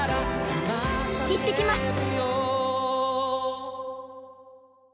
行ってきます！